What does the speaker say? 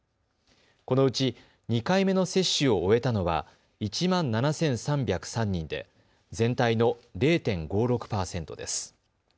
このうち２回目の接種を終えたのは１万７３０３人で全体の０．５６％です。